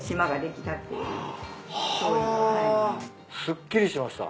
すっきりしました。